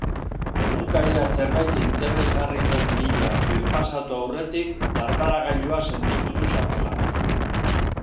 Egunkaria zerbait interesgarriren bila birpasatu aurretik dardaragailua sentitu du sakelan.